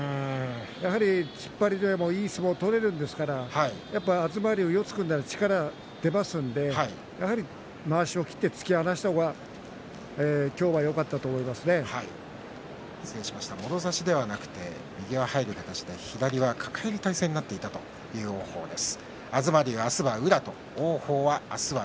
やはり、突っ張りでもいい相撲を取ることができるんですから東龍は四つを組んだら力が出ますのでまわしを取って突き放した方がもろ差しではなくて右が入る形で左は抱える体勢になっていたという王鵬です。